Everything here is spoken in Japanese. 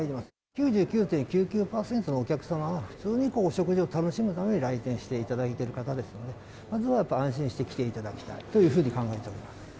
９９．９９％のお客様は普通にお食事を楽しむために来店していただいている方ですので、まずは安心して来ていただきたいというふうに考えております。